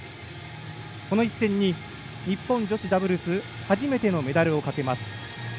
この一戦に日本女子ダブルス初めてのメダルをかけます。